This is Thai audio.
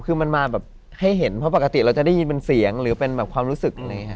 คือมันมาแบบให้เห็นเพราะปกติเราจะได้ยินเป็นเสียงหรือเป็นความรู้สึก